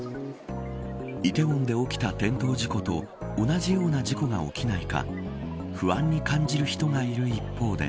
梨泰院で起きた転倒事故と同じような事故が起きないか不安に感じる人がいる一方で。